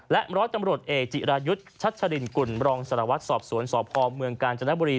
และร้อยตำรวจเอกจิรายุทธ์ชัชรินกุลบรองสารวัตรสอบสวนสพเมืองกาญจนบุรี